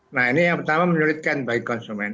nah ini yang pertama menyulitkan bagi konsumen